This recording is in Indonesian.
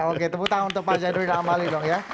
oke tepuk tangan untuk pak zainuddin amali dong ya